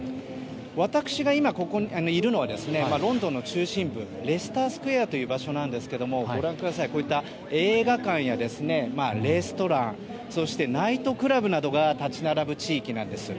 私が今いるのはロンドンの中心部レスタースクエアという場所なんですが映画館やレストランそして、ナイトクラブなどが立ち並ぶ地域なんです。